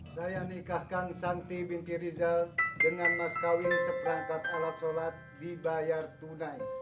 saya nikahkan santi binti rizal dengan mas kawin seperangkat alat sholat dibayar tunai